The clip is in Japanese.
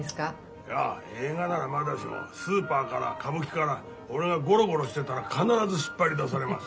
いや映画ならまだしもスーパーから歌舞伎から俺がゴロゴロしてたら必ず引っ張り出されます。